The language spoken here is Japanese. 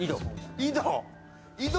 井戸？